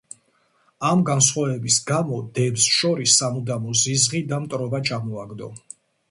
ამ განსხვავების გამო, დებს შორის სამუდამო ზიზღი და მტრობა ჩამოაგდო.